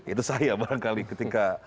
itu saya barangkali ketika